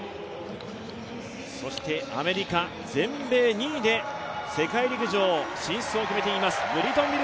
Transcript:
そして、アメリカ全米２位で世界陸上進出を決めています